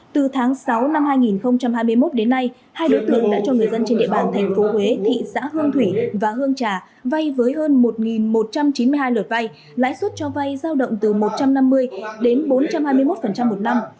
từ tháng sáu năm hai nghìn hai mươi một đến nay hai đối tượng đã cho người dân trên địa bàn thành phố huế thị xã hương thủy và hương trà vay với hơn một một trăm chín mươi hai lượt vay lãi suất cho vay giao động từ một trăm năm mươi đến bốn trăm hai mươi một một năm